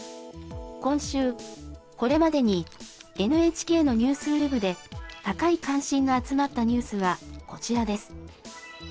今週、これまでにＮＨＫのニュースウェブで高い関心が集まったニュースはこちらです。